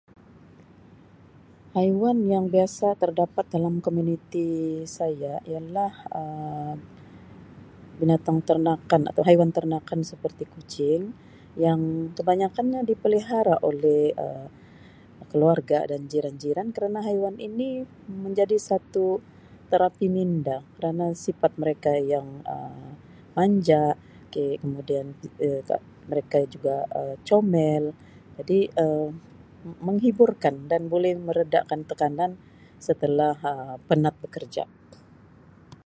Haiwan yang biasa terdapat dalam komuniti saya ialah Um binatang ternakan atau haiwan ternakan seperti kucing yang kebanyakan nya di pelihara oleh Um keluarga dan jiran-jiran kerana haiwan ini menjadi satu terapi minda kerana sifat mereka yang Um manja, [unintelligible] mereka mereka juga Um comel jadi Um menghiburkan dan boleh meredakan tekanan setelah Um penat bekerja.